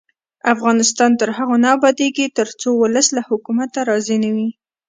افغانستان تر هغو نه ابادیږي، ترڅو ولس له حکومته راضي نه وي.